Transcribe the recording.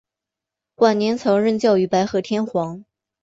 晚年曾任教于白河天皇。